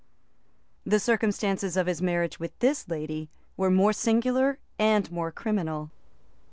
] The circumstances of his marriage with this lady were more singular and more criminal.